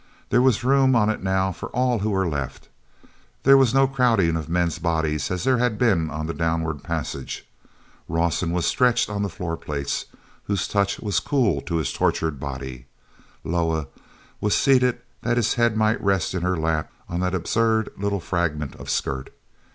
There was room on it now for all who were left; there was no crowding of men's bodies as there had been on the downward passage. Rawson was stretched on the floor plates, whose touch was cool to his tortured body. Loah was seated that his head might rest in her lap on that absurd little fragment of skirt.